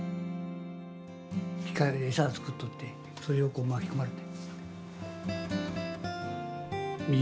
機械でエサ作っとってそれを巻き込まれて。